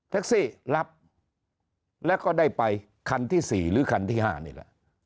ซี่รับแล้วก็ได้ไปคันที่๔หรือคันที่๕นี่แหละ